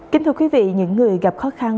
kính thưa quý vị những người gặp khó khăn